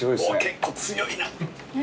結構強いな。